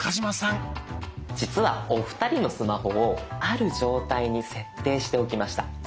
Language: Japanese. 実はお二人のスマホをある状態に設定しておきました。